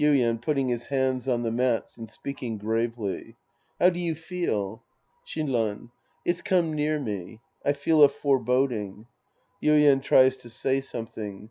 Yuien {putting his hands on the mats and speaking gravely). How do you feel ? Shinran. It's come near me. I feel a foreboding. (Yuien tries to say something.